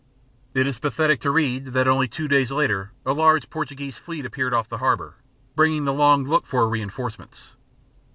It is pathetic to read that only two days later a large Portuguese fleet appeared off the harbour, bringing the long looked for reinforcements.